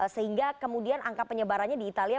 sehingga kemudian angka penyebarannya di italia